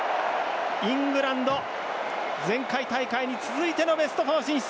イングランド前回大会に続いてのベスト４進出。